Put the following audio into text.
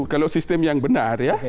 kalau sistem yang benar ya